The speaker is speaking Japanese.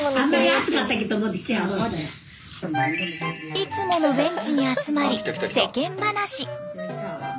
いつものベンチに集まり世間話。